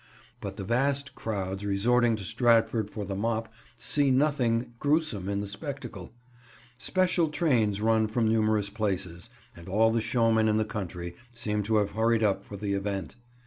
But the vast crowds resorting to Stratford for the Mop see nothing gruesome in the spectacle. Special trains run from numerous places, and all the showmen in the country seem to have hurried up for the event.